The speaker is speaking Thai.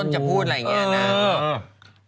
จะพูดอะไรเงี้ยนะเออ